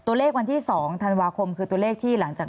ตัวเลขวันที่๒ธันวาคมคือตัวเลขที่หลังจาก